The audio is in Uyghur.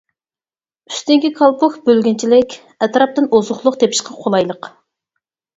ئۈستۈنكى كالپۇك بۆلگۈنچىلىك، ئەتراپتىن ئوزۇقلۇق تېپىشقا قولايلىق.